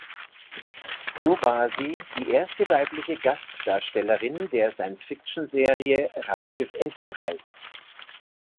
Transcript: So war sie die erste weibliche Gastdarstellerin der Science-Fiction-Serie "Raumschiff Enterprise".